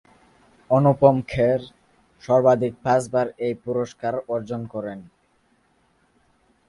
অনুপম খের সর্বাধিক পাঁচবার এই পুরস্কার অর্জন করেন।